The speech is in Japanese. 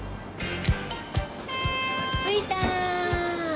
着いたー！